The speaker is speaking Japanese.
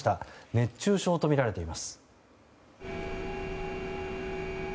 熱中症とみられています。